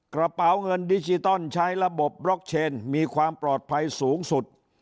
กระเป๋าเงินดิจิตอลใช้ระบบบล็อกเชนมีความปลอดภัยสูงสุด